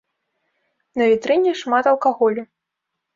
На вітрыне шмат алкаголю.